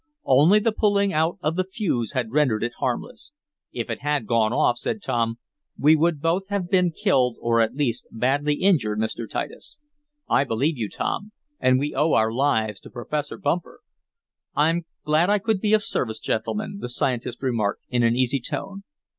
Only the pulling out of the fuse had rendered it harmless. "If it had gone off," said Tom, "we would both have been killed, or, at least, badly injured, Mr. Titus." "I believe you, Tom. And we owe our lives to Professor Bumper." "I'm glad I could be of service, gentlemen," the scientist remarked, in an easy tone.